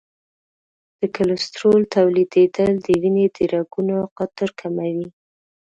د کلسترول تولیدېدل د وینې د رګونو قطر کموي.